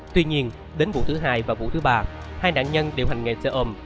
tuy nhiên đến vụ thứ hai và vụ thứ ba hai nạn nhân đều hành nghề xe ôm